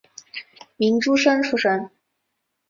明诸生出身。